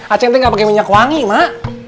acing teh gak pake minyak wangi mak